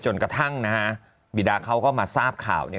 กระทั่งนะฮะบีดาเขาก็มาทราบข่าวเนี่ย